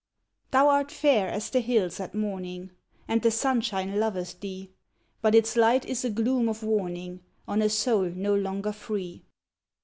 Thou art fair as the hills at morning. And the sunshine loveth thee. But its light is a gloom of warning On a soul no longer free.